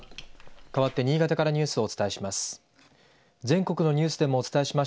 かわって新潟からニュースをお伝えします。